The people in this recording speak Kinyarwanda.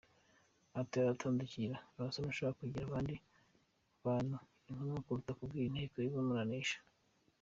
Ati “Aratandukira , arasa n’ushaka kugira abandi bantu atuma kuruta kubwira inteko imuburanisha”.